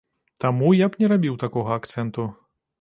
Таму я б не рабіў такога акцэнту.